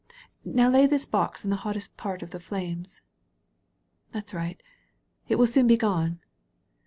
Now lay this box in the hottest part of the flames. That's right. It will soon be gone."